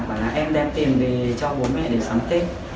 bảo là em đem tiền về cho bố mẹ để sắm tinh